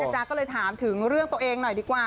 จ๊ะก็เลยถามถึงเรื่องตัวเองหน่อยดีกว่า